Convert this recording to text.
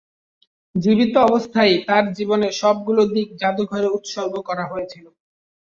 জীবিত অবস্থাতেই তার জীবনের সবগুলো দিক জাদুঘরে উৎসর্গ করা হয়েছিল।